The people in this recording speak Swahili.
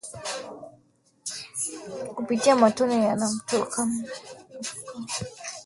kupitia matone yanayomtoka anapokohoa Wanyama walio hatarini ambao wako karibu naye huvuta ndani